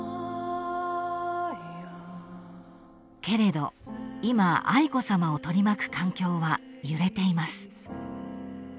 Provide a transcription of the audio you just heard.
［けれど今愛子さまを取り巻く環境は揺れています］